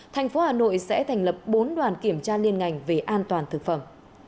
thành phố hà nội sẽ thành lập bốn đoàn kiểm tra liên ngành về an toàn thực phẩm